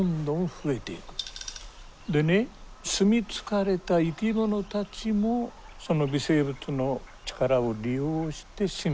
でね住み着かれた生き物たちもその微生物の力を利用して進化していくんですね。